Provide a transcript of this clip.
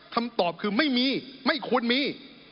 คำตอบคือไม่มีไม่ควรมี